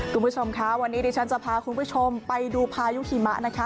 คุณผู้ชมค่ะวันนี้ดิฉันจะพาคุณผู้ชมไปดูพายุหิมะนะคะ